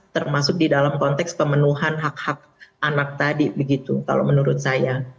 termasuk di dalam konteks pemenuhan hak hak anak tadi begitu kalau menurut saya